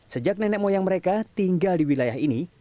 sejak nenek moyang mereka tinggal di wilayah ini